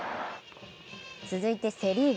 続いてセ・リーグ。